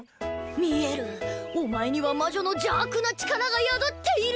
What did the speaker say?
見えるお前には魔女の邪悪な力が宿っている！